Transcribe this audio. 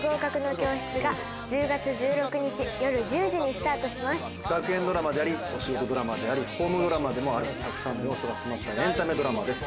果たして学園ドラマでありお仕事ドラマでありホームドラマであるたくさんの要素が詰まったエンタメドラマです。